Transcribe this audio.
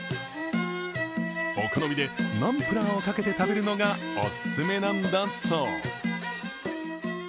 お好みでナンプラーをかけて食べるのがお勧めなんだそう。